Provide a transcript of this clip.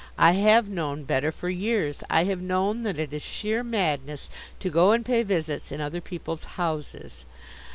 I have known better for years. I have known that it is sheer madness to go and pay visits in other people's houses.